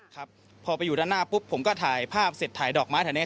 ครับพอไปอยู่ด้านหน้าปุ๊บผมก็ถ่ายภาพเสร็จถ่ายดอกไม้แถวนี้